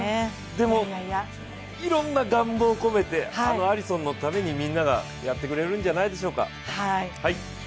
でも、いろんな願望を込めて、あのアリソンのためにみんながやってくれるんじゃないでしょうか。